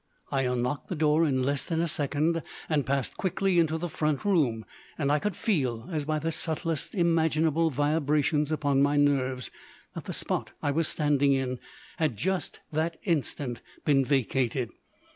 I unlocked the door in less than a second, and passed quickly into the front room, and I could feel, as by the subtlest imaginable vibrations upon my nerves, that the spot I was standing in had just that instant been vacated!